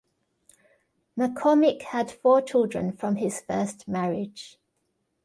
McCormick had four children from his first marriage.